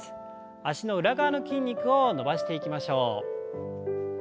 脚の裏側の筋肉を伸ばしていきましょう。